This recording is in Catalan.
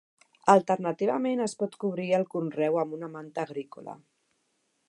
Alternativament es pot cobrir el conreu amb una manta agrícola.